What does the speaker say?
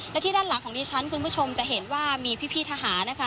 และที่ด้านหลังของดิฉันคุณผู้ชมจะเห็นว่ามีพี่ทหารนะคะ